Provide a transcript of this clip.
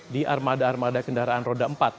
di armada armada kendaraan roda empat